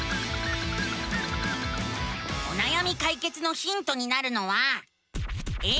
おなやみかいけつのヒントになるのは。